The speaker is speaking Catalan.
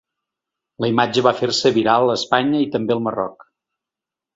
La imatge va fer-se viral a Espanya i també al Marroc.